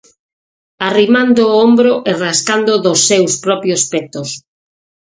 Arrimando o ombro e rascando dos seus propios petos.